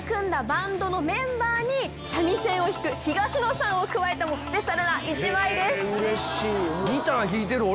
バンドのメンバーに三味線を弾く東野さんを加えたスペシャルな一枚です。